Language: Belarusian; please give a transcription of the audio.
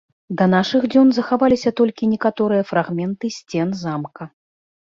Да нашых дзён захаваліся толькі некаторыя фрагменты сцен замка.